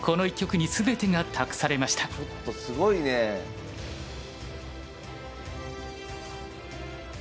ちょっとすごいねえ。